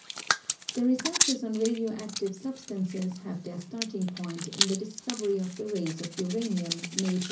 The researches on radioactive substances have their starting point in the discovery of the rays of uranium made by M.